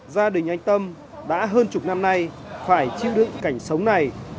gia đình anh tâm đã hơn chục năm nay phải chịu đựng cảnh sống này